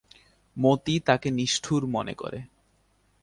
মতি তাকে নিষ্ঠুর মনে করে।